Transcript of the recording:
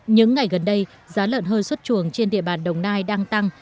những ngày gần đây giá lợn hơi xuất chuồng trên địa bàn đồng nai đang tăng